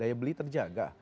daya beli terjaga